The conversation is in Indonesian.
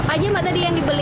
apa aja mbak tadi yang dibeli